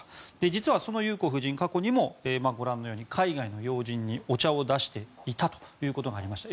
実はその裕子夫人過去にもご覧のように海外の要人にお茶を出していたということもありました。